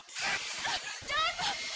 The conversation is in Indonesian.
jangan bang bang jangan bang